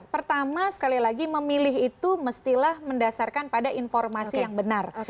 pertama sekali lagi memilih itu mestilah mendasarkan pada informasi yang benar